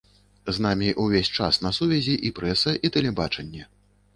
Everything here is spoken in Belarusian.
З намі ўвесь час на сувязі і прэса, і тэлебачанне.